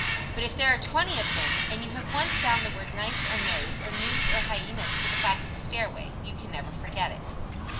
But if there are twenty of them, and you have once bound the word "nice," or "nose," or "news" or "hyenas," to the fact of the stairway, you can never forget it.